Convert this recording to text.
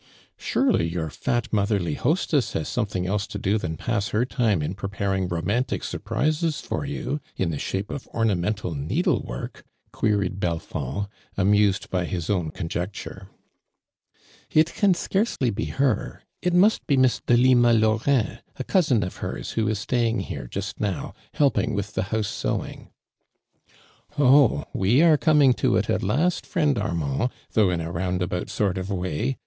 •' iSuroly your fat mothei'ly hostess ha.s .sometiiing else to do than to pass her time in jiroparing romantic surprises for you. in the shape of oi'nHniontal neodle work," queried Belfond, anuisod by his own con jecL'. e. "It can scarcely be hor. It must bo Miss Delima Laurin, a cousin of hers, who is staying here, ju«t now, helping with tho house sewing." " Oh, wo arc coming to it at last, friend Armaml, though in a roundabout sort of way!"